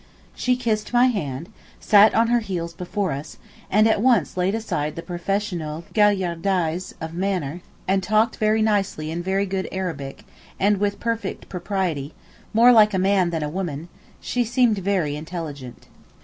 She kissed my hand, sat on her heels before us, and at once laid aside the professional galliardise of manner, and talked very nicely in very good Arabic and with perfect propriety, more like a man than a woman; she seemed very intelligent.